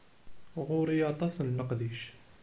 Ɣuṛ-i aṭas n leqdic.